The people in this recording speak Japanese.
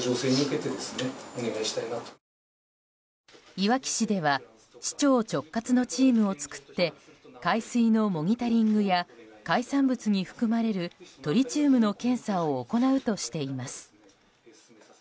いわき市では市長直轄のチームを作って海水のモニタリングや海産物に含まれるトリチウムの検査を行うとしています。